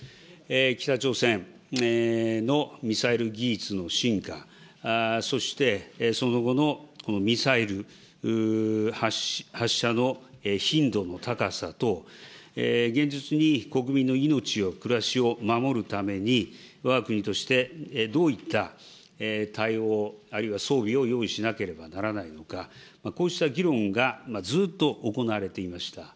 北朝鮮のミサイル技術の進化、そしてその後のミサイル発射の頻度の高さと現実に国民の命を暮らしを守るために、わが国として、どういった対応、あるいは装備を用意しなければならないのか、こうした議論がずっと行われていました。